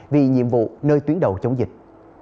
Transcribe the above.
vì nhiệm vụ nơi tuyến đầu chống dịch